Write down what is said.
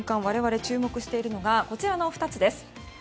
我々、注目しているのがこちらの２つです。